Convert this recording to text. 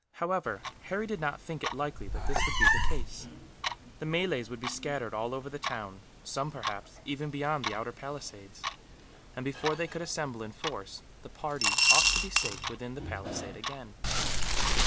However, Harry did not think it likely that this would be the case. The Malays would be scattered all over the town some, perhaps, even beyond the outer palisades and before they could assemble in force, the party ought to be safe within the palisade again.